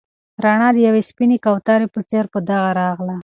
رڼا د یوې سپینې کوترې په څېر په ده راغله.